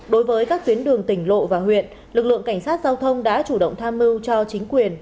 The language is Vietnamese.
đối với các tuyến đường tỉnh lộ và huyện lực lượng cảnh sát giao thông đã chủ động tham mưu cho chính quyền